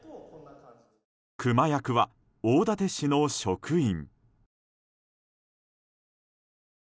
クマ役は大館市の職員。